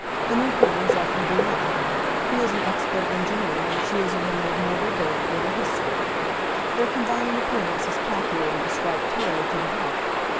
The new comers are from Vienna. He is an expert engineer and she is a woman of noble birth, with a history. Their combined appearance is calculated to strike terror to the heart.